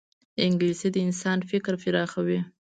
انګلیسي د انسان فکر پراخوي